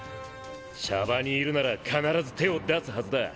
シャバにいるなら必ず手を出すはずだ。